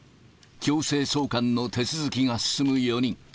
強制送還の手続きが進む４人。